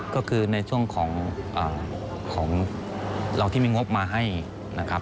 ก็คือในช่วงของเราที่มีงบมาให้นะครับ